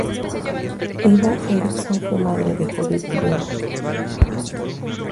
Ida Ericson fue madre de Judith Gerard.